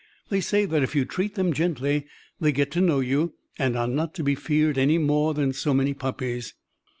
They say that if you treat them gently they get to know you and are not to be feared any more than so many puppies."